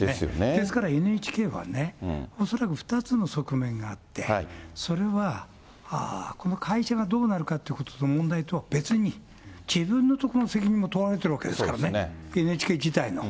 ですからＮＨＫは、恐らく２つの側面があって、それはこの会社がどうなるかという問題とは別に、自分のところの責任も問われているわけですからね、ＮＨＫ自体の。